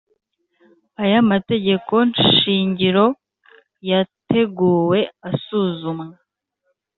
Aya mategekoshingiro yateguwe asuzumwa